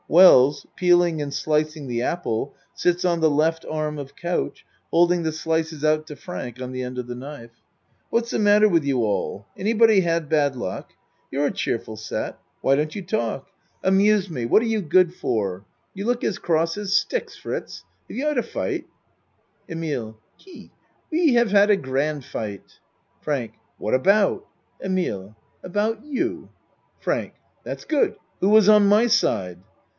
Wells, peeling and slicing the apple sits on the L. arm of couch, holding the slices out to Frank on the end of the knife.) What's the matter with you all? Anybody had bad luck? You're a cheerful set. Why don't you talk? Amuse 20 A MAN'S WORLD me. What are you good for? You look as cross as sticks, Fritz. Have you had a fight ? EMILE Qui. We have had a grand fight. FRANK What about? EMILE About you. FRANK That's good. Who was on my side?